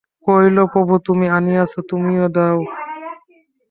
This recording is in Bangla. কহিল, প্রভু, তুমি আনিয়াছ, তুমিই দাও।